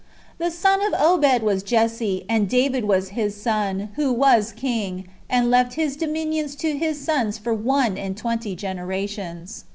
The son of Obed was Jesse, and David was his son, who was king, and left his dominions to his sons for one and twenty generations.